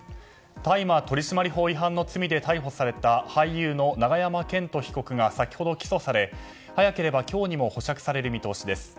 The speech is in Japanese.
大麻取締法違反の罪で逮捕された俳優の永山絢斗被告が先ほど、起訴され早ければ今日にも保釈される見通しです。